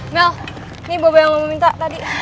mel ini boba yang lo minta tadi